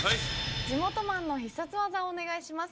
地元マンの必殺技をお願いします。